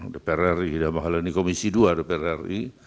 dpr ri dan mahalani komisi ii dpr ri